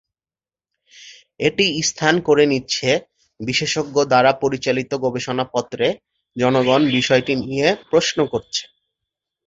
এটি স্থান করে নিচ্ছে বিশেষজ্ঞ দ্বারা পরিচালিত গবেষণাপত্রে, জনগণ বিষয়টি নিয়ে প্রশ্ন করছে।